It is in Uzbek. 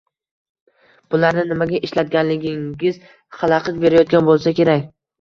pullarni nimaga ishlatganligingiz xalaqit berayotgan bo‘lsa kerak.